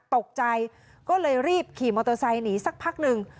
ตกใจก็เลยรีบขี่มอเตอร์ไซค์หนีสักพักหนึ่ง